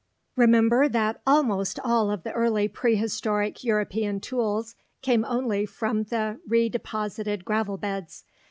Remember that almost all of the early prehistoric European tools came only from the redeposited gravel beds.